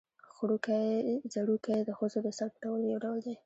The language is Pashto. ځړوکی د ښځو د سر پټولو یو ډول دی